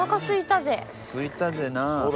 すいたぜなぁ。